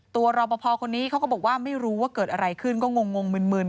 รอปภคนนี้เขาก็บอกว่าไม่รู้ว่าเกิดอะไรขึ้นก็งงมึน